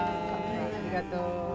ありがとう。